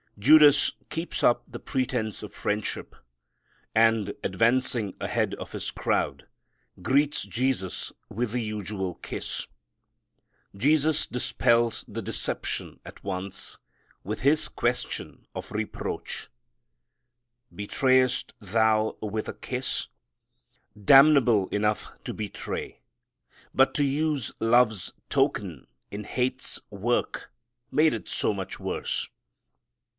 Judas keeps up the pretense of friendship, and, advancing ahead of his crowd, greets Jesus with the usual kiss. Jesus dispels the deception at once with His question of reproach, "Betrayest thou with a kiss?" Damnable enough to betray, but to use love's token in hate's work made it so much worse.